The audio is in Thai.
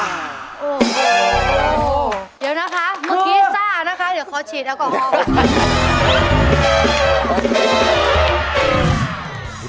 เดี๋ยวนะคะเมื่อกี้ซ่านะคะเดี๋ยวขอฉีดแอลกอฮอล์